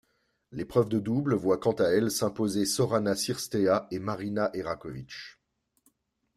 L'épreuve de double voit quant à elle s'imposer Sorana Cîrstea et Marina Eraković.